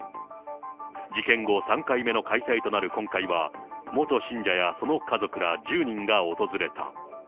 事件後３回目の開催となる今回は、元信者やその家族ら１０人が訪れた。